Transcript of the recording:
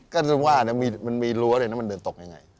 ก็ถึงว่านะมันมีรั้วเลยนะมันเดินตกยังไง